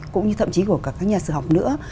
cũng như thậm chí của cả các nhà sử học nữa